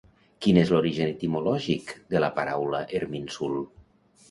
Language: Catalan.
Quin és l'origen etimològic de la paraula Erminsul?